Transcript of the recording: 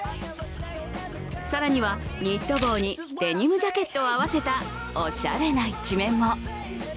更には、ニット帽にデニムジャケットを合わせたおしゃれな一面も。